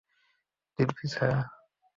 Divya, sir.